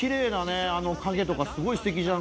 あの影とかスゴいすてきじゃん！